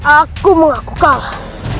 aku mengaku kalah